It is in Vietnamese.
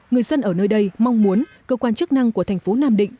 người dân ở nơi đây mong muốn cơ quan chức năng của thành phố nam định